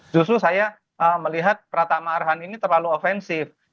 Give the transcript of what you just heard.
justru saya melihat prata ma arshan ini terlalu offensif